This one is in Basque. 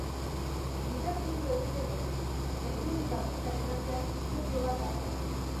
Dibertitu egiten gaitu, eta irudi bakoitzaren atzean istorio bat dago.